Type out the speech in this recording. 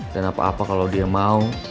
dan apa apa kalo dia mau